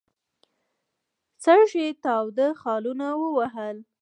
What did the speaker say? سږ یې تاوده خالونه ووهل.